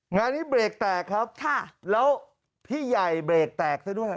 งานนี้เบรกแตกครับแล้วพี่ใหญ่เบรกแตกซะด้วย